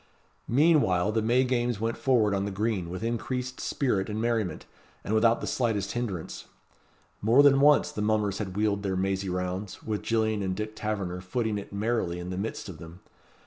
Meanwhile the May games went forward on the green with increased spirit and merriment, and without the slightest hinderance. More than once the mummers had wheeled their mazy rounds, with Gillian and Dick Taverner footing it merrily in the midst of them.